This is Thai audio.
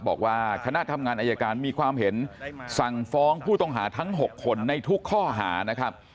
บอกว่าคณะทำงานอายการมีความเห็นสั่งฟ้องผู้ต้องหาทั้ง๖คนในทุกข้อหานะครับ